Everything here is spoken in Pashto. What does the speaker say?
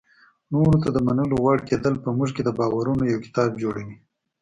نورو ته د منلو وړ کېدل په موږ کې د باورونو یو کتاب جوړوي.